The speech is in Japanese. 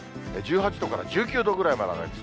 １８度から１９度ぐらいまで上がります。